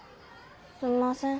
すんません。